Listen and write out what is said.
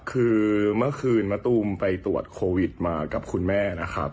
คือเมื่อคืนมะตูมไปตรวจโควิดมากับคุณแม่นะครับ